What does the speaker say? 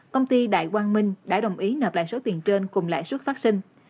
công ty đại quang minh đã đồng ý nợ lại số tiền trên cùng lãi suất phát sinh